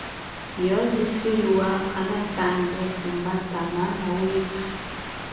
Yoze thuliwa kanatambe kumbata mama mwekha.